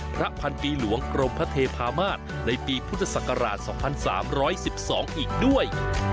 พันปีหลวงกรมพระเทพามาศในปีพุทธศักราช๒๓๑๒อีกด้วย